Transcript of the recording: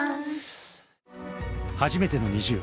はじめてのＮｉｚｉＵ。